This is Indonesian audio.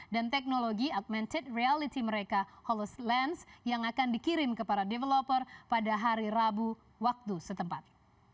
dan teknologi augmented reality mereka holos lens yang akan dikirim kepada developer pada hari rabu waktu setempat